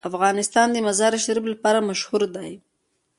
افغانستان د مزارشریف لپاره مشهور دی.